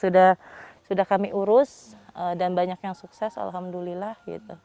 sekitar ada tujuh puluh lima an yang sudah kami urus dan banyak yang sukses alhamdulillah